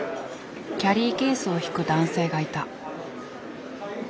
キャリーケースを引く男性がいた。